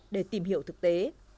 để tìm hiểu thực tế